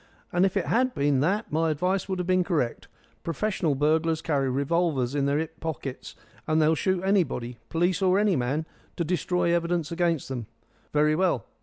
And if it had been that, my advice would have been correct. Professional burglars carry revolvers in their 'ip pockets, and they'll shoot anybody policeman or any man to destroy evidence against them. Very well.